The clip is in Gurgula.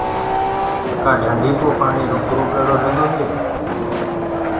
ڪآ ڍندي ڪو پآڻي رُڪرو پيڙو رهيندو هي؟